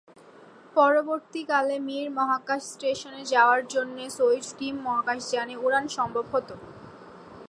পরবর্তীকালে মির মহাকাশ স্টেশনে যাওয়ার জন্যে সোইয়ুজ-টিএম মহাকাশযানে উড়ান সম্ভব হোত।